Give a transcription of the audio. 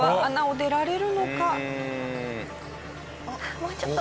もうちょっと。